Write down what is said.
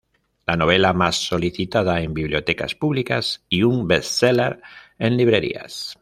La novela más solicitada en bibliotecas públicas y un best seller en librerías".